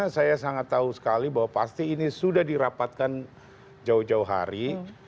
saya sangat tahu sekali bahwa pasti ini sudah dirapatkan jauh jauh hari